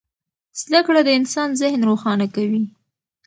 زده کړه د انسان ذهن روښانه کوي.